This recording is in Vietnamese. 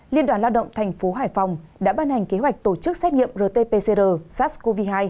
liên đoàn lao động thành phố hải phòng đã ban hành kế hoạch tổ chức xét nghiệm rt pcr sars cov hai